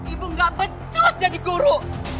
ibu gak becus jadi guru